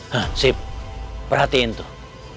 hah sip perhatiin tuh